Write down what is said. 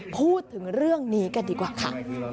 พูดถึงเรื่องนี้กันดีกว่าค่ะ